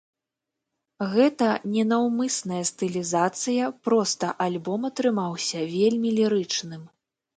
Гэта не наўмысная стылізацыя, проста альбом атрымаўся вельмі лірычным.